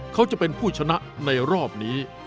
เขาจะเป็นผู้ชนะในรอบนี้